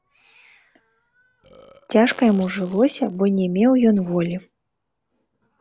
Цяжка яму жылося, бо не меў ён волі.